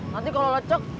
nanti kalau lecek